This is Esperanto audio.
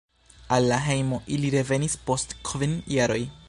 Al la hejmo ili revenis post kvin jaroj.